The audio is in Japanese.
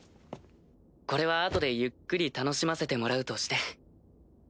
これは後でゆっくり楽しませてもらうとして。